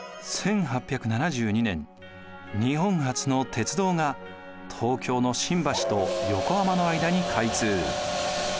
１８７２年日本初の鉄道が東京の新橋と横浜の間に開通。